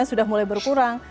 sudah mulai berkurang